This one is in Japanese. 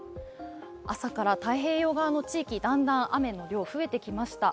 朝から太平洋側の地域、だんだん雨の量、増えてきました。